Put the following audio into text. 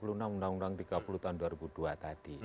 undang undang tiga puluh tahun dua ribu dua tadi